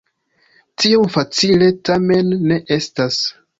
Tiom facile tamen ne estas.